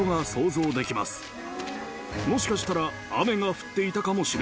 もしかしたら。